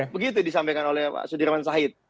begitu disampaikan oleh pak sudirman said